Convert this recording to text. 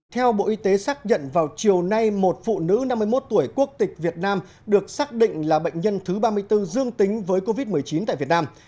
theo bộ y tế xác nhận vào chiều nay một phụ nữ năm mươi một tuổi quốc tịch việt nam được xác định là bệnh nhân thứ ba mươi bốn dương tính với covid một mươi chín tại việt nam